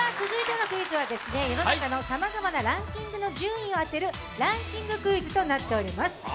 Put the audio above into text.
続いてのクイズは、世の中の様々なランキングの順位を当てるランキングクイズとなっております。